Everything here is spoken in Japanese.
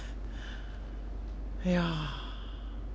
いや。